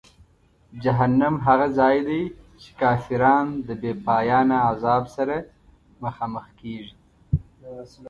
جهنم هغه ځای دی چې کافران د بېپایانه عذاب سره مخامخ کیږي.